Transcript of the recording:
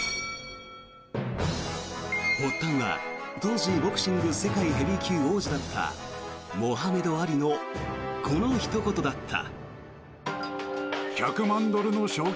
発端は当時、ボクシング世界ヘビー級王者だったモハメド・アリのこの一言だった。